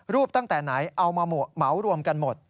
รูปตั้งแต่ไหนเอามาเหมารวมกัน